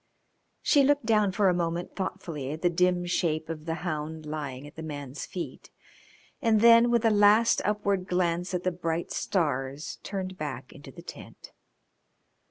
She looked down for a moment thoughtfully at the dim shape of the hound lying at the man's feet, and then with a last upward glance at the bright stars turned back into the tent.